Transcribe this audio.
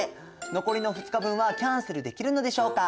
残りの２日分はキャンセルできるのでしょうか？